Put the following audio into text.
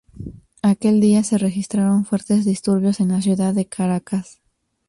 Aquel día se registraron fuertes disturbios en la ciudad de Caracas.